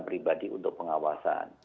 pribadi untuk pengawasan